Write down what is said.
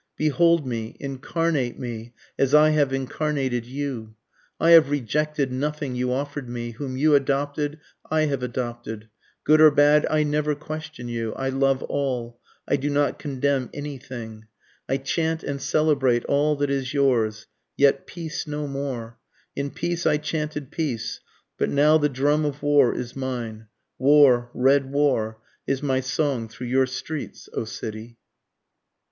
Behold me incarnate me as I have incarnated you! I have rejected nothing you offer'd me whom you adopted I have adopted, Good or bad I never question you I love all I do not condemn any thing, I chant and celebrate all that is yours yet peace no more, In peace I chanted peace, but now the drum of war is mine, War, red war is my song through your streets, O city!